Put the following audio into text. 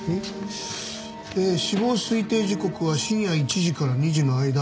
えー死亡推定時刻は深夜１時から２時の間。